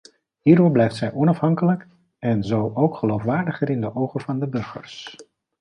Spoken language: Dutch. Hierdoor blijft zij onafhankelijk en zo ook geloofwaardiger in de ogen van de burgers.